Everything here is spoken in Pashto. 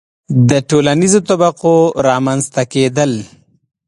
• د ټولنیزو طبقو رامنځته کېدل.